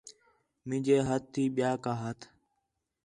مینجے ہتھ تی ٻِیا کا ہَتھ